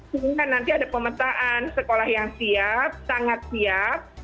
sehingga nanti ada pemetaan sekolah yang siap sangat siap